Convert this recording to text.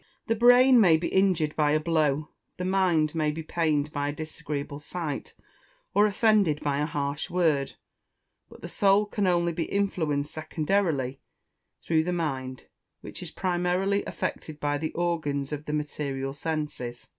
The brain may be injured by a blow; the mind may be pained by a disagreeable sight, or offended by a harsh word; but the Soul can only be influenced secondarily through the mind, which is primarily affected by the organs of the material senses.